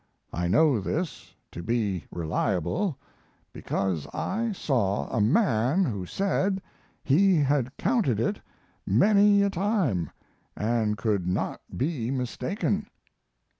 I know this to be reliable because I saw a man who said he had counted it many a time and could not be mistaken.